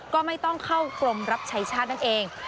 ก็ไม่ต้องเข้ากรมรับใช้ชาตินั่นเอง